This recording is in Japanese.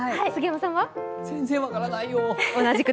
全然分からないよ。